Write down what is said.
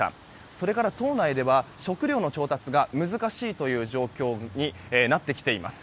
それから、島内では食料の調達が難しい状況になってきています。